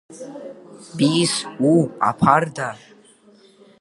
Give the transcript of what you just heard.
Бисс, уу, аԥарда!